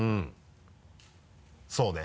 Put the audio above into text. そうね。